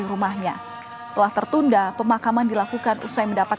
saya menunggu kepentingan nyobaan kompolnas yang ketiga diangkat